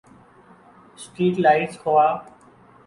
street lights خوا